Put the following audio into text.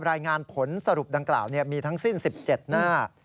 รายงานผลสรุปดังกล่าวมีทั้งสิ้น๑๗หน้า